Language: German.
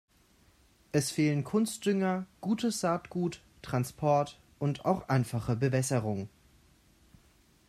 Es fehlen Kunstdünger, gutes Saatgut, Transport und auch einfache Bewässerung.